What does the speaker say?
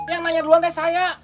yang nanya duluan deh saya